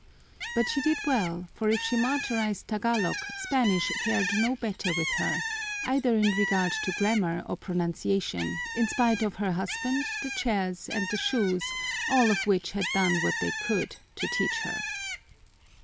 But she did well, for if she martyrized Tagalog, Spanish fared no better with her, either in regard to grammar or pronunciation, in spite of her husband, the chairs and the shoes, all of which had done what they could to teach her.